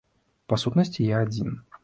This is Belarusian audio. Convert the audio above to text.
Па сутнасці я адзін.